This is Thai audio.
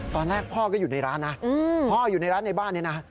ตอนแรกพ่อก็อยู่ในร้านนะพ่ออยู่ในร้านในบ้านนี้นะ